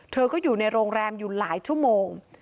เธอก็อยู่ในโรงแรมอยู่หลายชั่วโมง